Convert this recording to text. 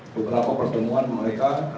beberapa pertemuan mereka